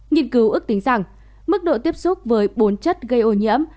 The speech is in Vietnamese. nghiên cứu ước tính rằng mức độ tiếp xúc với bốn chất gây ô nhiễm